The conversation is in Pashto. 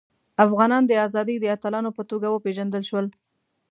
افغانان د ازادۍ د اتلانو په توګه وپيژندل شول.